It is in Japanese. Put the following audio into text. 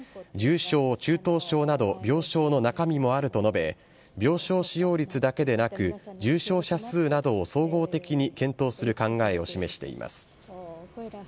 重症・中等症など、病床の中身もあると述べ、病床使用率だけでなく、重症者数などを総合的に検討する考えを示しています。